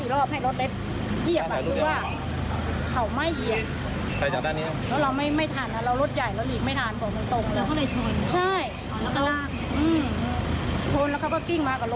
เราไม่อยากให้เกิดหรอก